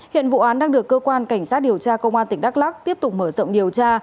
hiện vụ án đang được cơ quan cảnh sát điều tra công an tỉnh đắk lắc tiếp tục mở rộng điều tra